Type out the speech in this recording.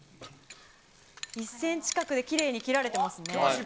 １ｃｍ角できれいに切られていますね。